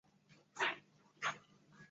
曾祖父吴仕敬。